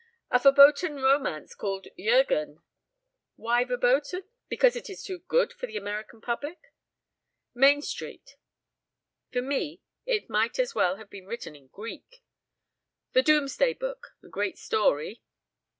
"A verboten romance called 'Jurgen.' Why verboten? Because it is too good for the American public? 'Main Street.' For me, it might as well have been written in Greek. 'The Domesday Book.' A great story.